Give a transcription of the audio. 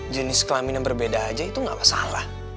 jenis kelaminan berbeda aja itu gak masalah